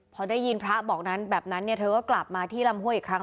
พอได้ยินพระบอกแบบนั้นเขาก็กลับมาที่ลำห้วยอีกครั้ง